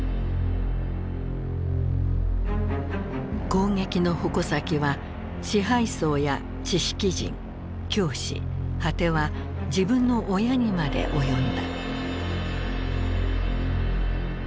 攻撃の矛先は支配層や知識人教師果ては自分の親にまで及んだ。